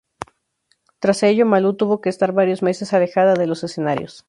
Tras ello Malú tuvo que estar varios meses alejada de los escenarios.